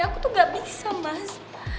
aku tuh gak bisa mas